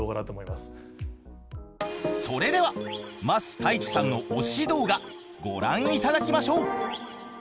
それでは桝太一さんの推し動画ご覧いただきましょう！